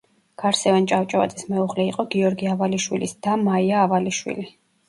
გარსევან ჭავჭავაძის მეუღლე იყო გიორგი ავალიშვილის და მაია ავალიშვილი.